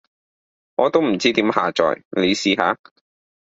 我都唔知點下載，你試下？